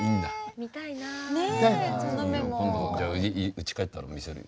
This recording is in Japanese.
うち帰ったら見せるよ。